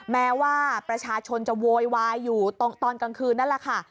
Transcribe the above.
แม้ว่าประชาชนจะโวยวายอยู่ตอนกลางคืนนั่นแหละค่ะ